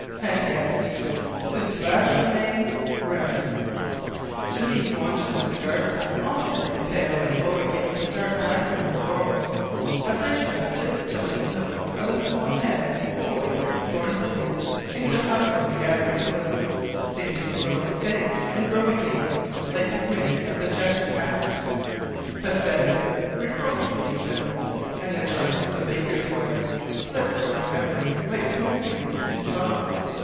And yet... sunt lachrymae rerem... to me watching the cigar stump alternately pale and glow against the dark background of laurel, a vision of a tip tilted nose, of a small head poised scornfully, seemed to hover on the gathering gloom seemed to grow and fade and grow again, like the grin of the Cheshire cat pathetically, reproachfully even; and the charms of the baker's wife slipped from my memory like snow wreaths in thaw.